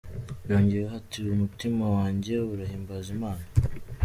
" Yongeyeho ati "Umutima wanjye urahimbaza Imana.